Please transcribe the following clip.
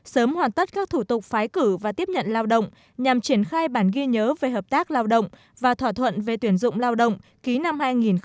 sớm hoàn tất các thủ tục phái cử và tiếp nhận lao động nhằm triển khai bản ghi nhớ về hợp tác lao động và thỏa thuận về tuyển dụng lao động ký năm hai nghìn một mươi năm